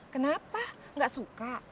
kenapa gak suka